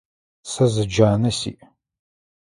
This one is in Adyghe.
Сэ зы джанэ сиӏ.